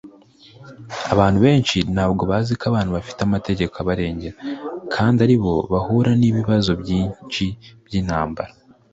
Abantu benshi ntabwo bazi ko abana bafite amategeko abarengera kandi aribo bahura n’ibibazo byinshi by’intambara